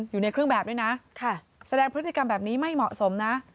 อยู่ในเครื่องแบบด้วยนะแสดงพฤติกรรมแบบนี้ไม่เหมาะสมนะ